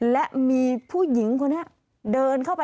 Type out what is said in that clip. และมีผู้หญิงคนนี้เดินเข้าไป